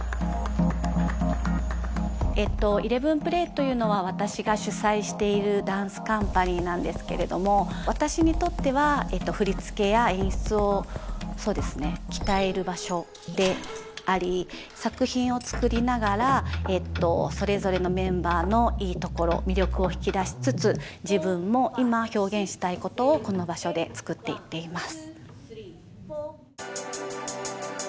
ＥＬＥＶＥＮＰＬＡＹというのは私が主宰しているダンスカンパニーなんですけれども私にとっては振付や演出をそうですね鍛える場所であり作品を作りながらそれぞれのメンバーのいいところ魅力を引き出しつつ自分も今表現したいことをこの場所で作っていっています。